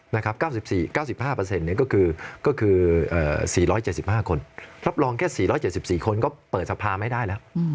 ๙๕เนี่ยก็คือ๔๗๕คนรับรองแค่๔๗๔คนก็เปิดสภาไม่ได้แล้ว